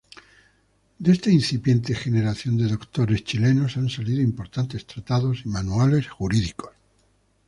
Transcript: De esta incipiente generación de doctores chilenos han salido importantes tratados y manuales jurídicos.